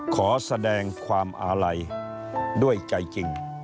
ขอแสดงความอาลัยด้วยใจจริง